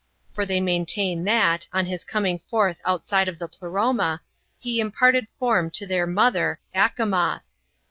For they maintain that, on His coming forth outside of the Pleroma, He imparted form to their Mother [Achamoth].